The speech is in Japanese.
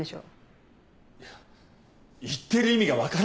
いや言ってる意味がわからないよ。